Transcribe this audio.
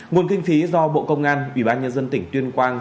nguồn kinh phí do bộ công an ủy ban nhân dân tỉnh tuyên quang